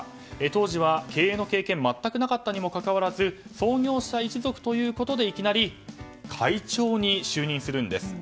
当時は経営の経験が全くなかったにもかかわらず創業者一族ということでいきなり会長に就任するんです。